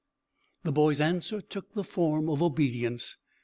The boy's answer took the form of obedience.